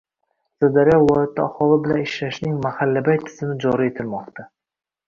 Sirdaryo viloyatida aholi bilan ishlashning mahallabay tizimi joriy etilmoqda